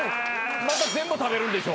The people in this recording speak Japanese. また全部食べるんでしょ？